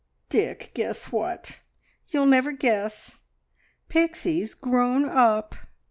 "Dick, guess what! You'll never guess! Pixie's grown up!"